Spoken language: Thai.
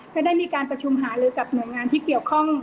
ก็ได้มีการประชุมหาลือกับหน่วยงานที่เกี่ยวข้อง